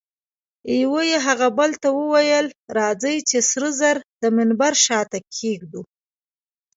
یوه یې هغه بل ته وویل: راځئ چي سره زر د منبر شاته کښېږدو.